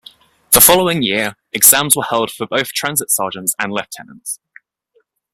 The following year, exams were held for both Transit sergeants and lieutenants.